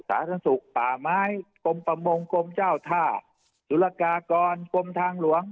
สาธารณสุขป่าไม้กรมประมงกรมเจ้าท่าสุรกากรกรมทางหลวง